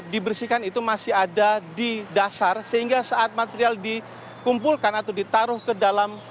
dibersihkan itu masih ada di dasar sehingga saat material dikumpulkan atau ditaruh ke dalam